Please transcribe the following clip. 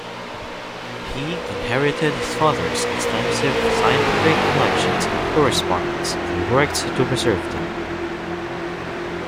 He inherited his father's extensive scientific collections and correspondence and worked to preserve them.